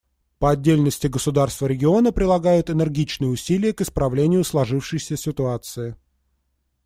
По отдельности государства региона прилагают энергичные усилия к исправлению сложившейся ситуации.